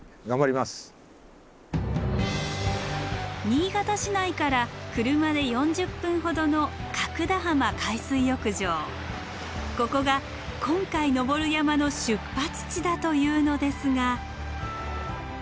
新潟市内から車で４０分ほどのここが今回登る山の出発地だというのですが。